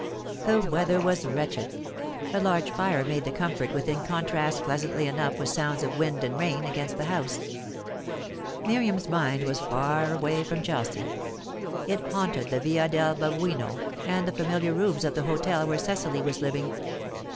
The weather was wretched; a large fire made the comfort within contrast pleasantly enough with sounds of wind and rain against the house. Miriam's mind was far away from Chelsea; it haunted the Via del Babuino, and the familiar rooms of the hotel where Cecily was living.